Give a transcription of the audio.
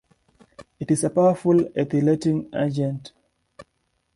It is a powerful ethylating agent.